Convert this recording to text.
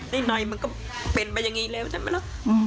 ในมันก็เป็นไปอย่างนี้แล้วใช่ไหมล่ะ